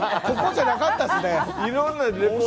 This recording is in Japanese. ここじゃなかったですね。